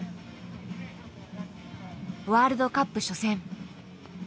ワールドカップ初戦。